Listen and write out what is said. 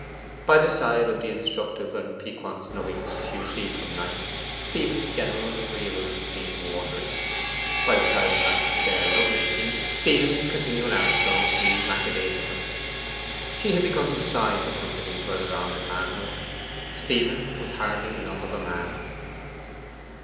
By the side of the instructive and piquant snubbings she received from Knight, Stephen's general agreeableness seemed watery; by the side of Knight's spare love making, Stephen's continual outflow seemed lackadaisical. She had begun to sigh for somebody further on in manhood. Stephen was hardly enough of a man.